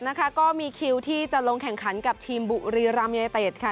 แล้วก็มีคิวที่จะลงแข่งขันกับทีมบุรีรามยเตศค่ะ